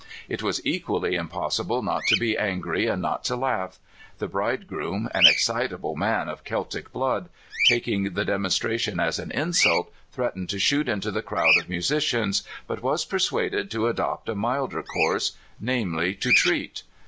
It was equally impos sible not to be angry, and not to laugh. The bridegroom, an excitable man of Celtic blood, taking the demonstration as an insult, threatened to shoot into the crowd of musicians, but was per suaded to adopt a milder course — namely, to treat.